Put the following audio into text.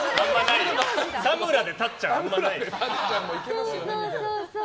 タムラでたっちゃんはあんまないよ。